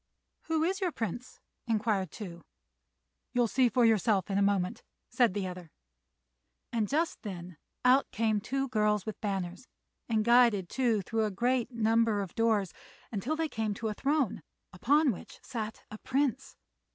"Who is your Prince?" inquired Tou. "You'll see for yourself in a moment," said the other; and just then out came two girls with banners, and guided Tou through a great number of doors until they came to a throne, upon which sat the Prince.